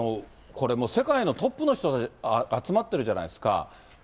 世界のトップの人が集まってるじゃないですか。